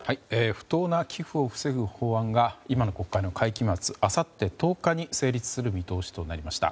不当な寄付を防ぐ法案が今の国会の会期末あさって１０日に成立する見通しとなりました。